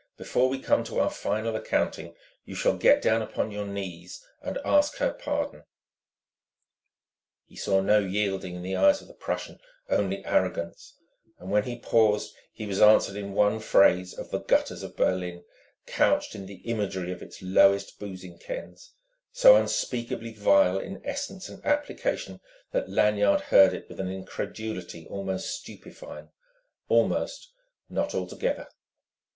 before we come to our final accounting, you shall get down upon your knees and ask her pardon." He saw no yielding in the eyes of the Prussian, only arrogance; and when he paused, he was answered in one phrase of the gutters of Berlin, couched in the imagery of its lowest boozing kens, so unspeakably vile in essence and application that Lanyard heard it with an incredulity almost stupefying almost, not altogether.